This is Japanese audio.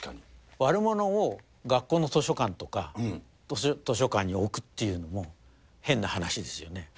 悪者を学校の図書館とか、図書館に置くっていうのも変な話ですよね。